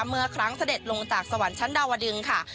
เมื่อครั้งเสด็จลงจากสวรรค์ชั้นดาวดึงค่ะ